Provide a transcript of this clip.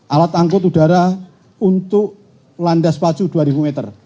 alat angkut udara untuk landas pacu dua ribu meter